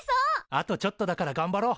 あとちょっとだからがんばろう！